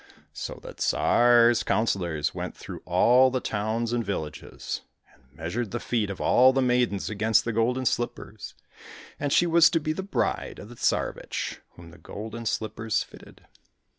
So the Tsar's councillors went through all the towns and villages, and measured the feet of all the maidens against the golden slippers, and she was to be the bride of the Tsarevich whom the golden slippers fitted.